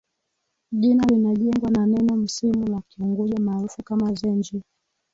Jina linajengwa na neno msimu la Kiunguja maarufu kama Zenji